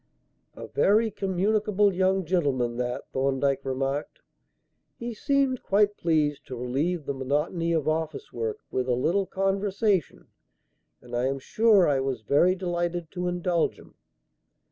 "A very communicable young gentleman, that," Thorndyke remarked. "He seemed quite pleased to relieve the monotony of office work with a little conversation. And I am sure I was very delighted to indulge him."